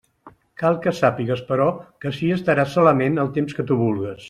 Cal que sàpigues, però, que ací estaràs solament el temps que tu vulgues.